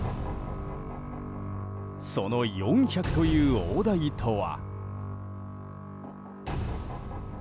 その４００という大台とは。